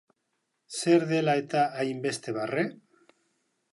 Zer dela eta hainbeste barre?